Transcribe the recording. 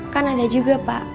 kan ada juga pak